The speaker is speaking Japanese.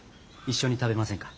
一緒に食べませんか。